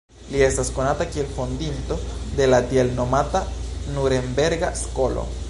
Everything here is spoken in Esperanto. Li estas konata kiel fondinto de la tiel nomata Nurenberga Skolo.